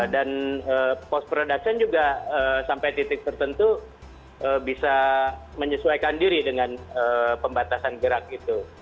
dan post production juga sampai titik tertentu bisa menyesuaikan diri dengan pembatasan gerak itu